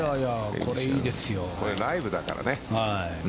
これ、ライブだからね。